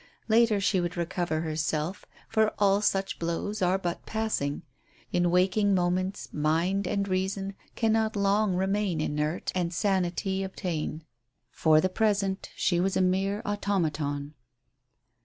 Later she would recover herself, for all such blows are but passing; in waking moments mind and reason cannot long remain inert and sanity obtain. For the present she was a mere automaton.